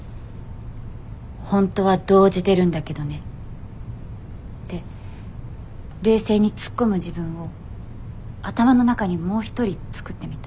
「本当は動じてるんだけどね」って冷静にツッコむ自分を頭の中にもう一人作ってみた。